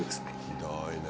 ひどいね。